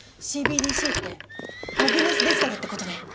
ＣＢＤＣってアグネスデジタルってことね。